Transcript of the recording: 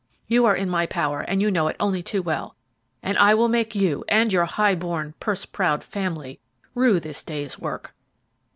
You are in my power, and you know it only too well; and I will make you and your high born, purse proud family rue this day's work."